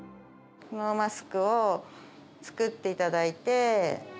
このマスクを作っていただいて。